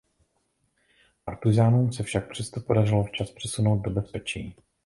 Partyzánům se však přesto podařilo včas přesunout do bezpečí.